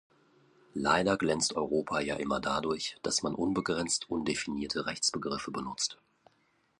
Leider glänzt Europa ja immer dadurch, dass man unbegrenzt undefinierte Rechtsbegriffe benutzt.